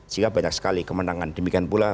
sehingga banyak sekali kemenangan demikian pula